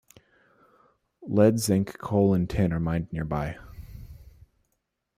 Lead, zinc, coal, and tin are mined nearby.